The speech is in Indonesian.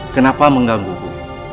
kenapa mengganggu ku